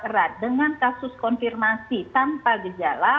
jika kita kontak erat dengan kasus konfirmasi tanpa gejala